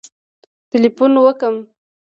ټلېفون وکړم